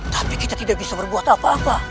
tapi kita tidak bisa berbuat apa apa